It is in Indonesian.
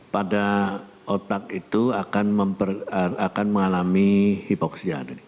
pada otak itu akan mengalami hipoksia